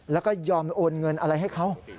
แล้วก็ยอมโอนเงินอะไรให้เขา